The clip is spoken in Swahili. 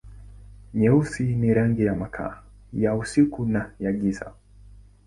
Nyeusi ni rangi na makaa, ya usiku na ya giza.